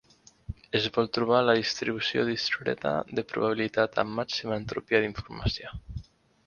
Es vol trobar la distribució discreta de probabilitat amb màxima entropia d'informació.